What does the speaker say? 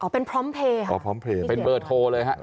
อ๋อเป็นพร้อมเพย์อ๋อพร้อมเพย์เป็นเบิร์ดโค้เลยฮะใช่ไหม